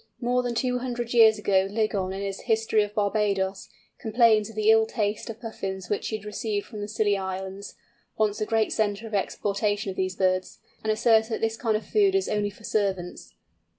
More than two hundred years ago Ligon, in his History of Barbadoes, complains of the ill taste of Puffins which he had received from the Scilly Islands (once a great centre of exportation of these birds), and asserts that this kind of food is only for servants.